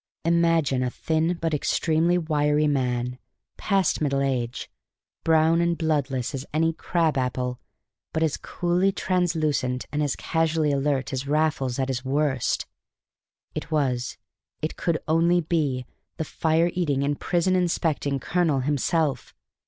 Imagine a thin but extremely wiry man, past middle age, brown and bloodless as any crabapple, but as coolly truculent and as casually alert as Raffles at his worst. It was, it could only be, the fire eating and prison inspecting colonel himself!